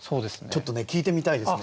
ちょっとね聴いてみたいですね。